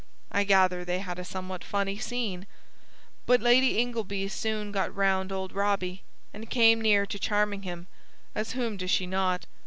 I gather they had a somewhat funny scene. But Lady Ingleby soon got round old Robbie, and came near to charming him as whom does she not?